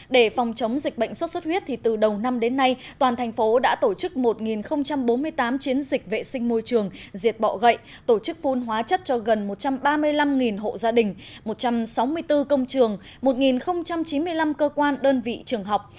để phòng chống dịch bệnh sốt xuất huyết từ đầu năm đến nay toàn thành phố đã tổ chức một bốn mươi tám chiến dịch vệ sinh môi trường diệt bọ gậy tổ chức phun hóa chất cho gần một trăm ba mươi năm hộ gia đình một trăm sáu mươi bốn công trường một chín mươi năm cơ quan đơn vị trường học